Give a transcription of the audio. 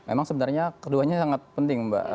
memang sebenarnya keduanya sangat penting mbak